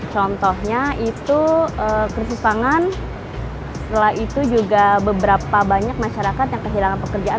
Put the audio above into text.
contohnya itu krisis pangan setelah itu juga beberapa banyak masyarakat yang kehilangan pekerjaan